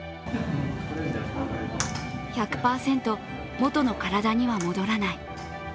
１００％もとの体には戻らない。